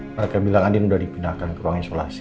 mereka bilang andin udah dipindahkan ke ruang isolasi